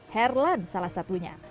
herlan salah satunya